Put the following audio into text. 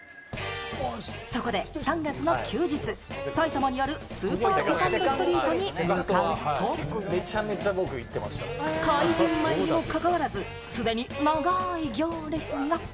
そこで３月の休日、埼玉にあるスーパーセカンドストリートに向かうと、開店前にもかかわらず、すでに長い行列が。